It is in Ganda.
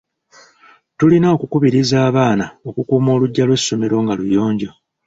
Tulina okukubiriza abaana okukuuma oluggya lw'essomero nga luyonjo.